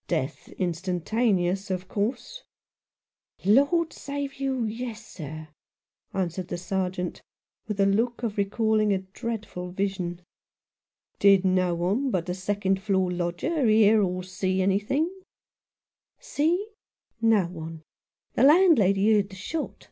" Death instantaneous, of course ?"" Lord save you, yes, sir," answered the Sergeant, with a look of recalling a dreadful vision. 88 At Number Thirteen, Dynevor Street. "Did no one but the second floor lodger hear or see anything ?"" See ? No one. The landlady heard the shot.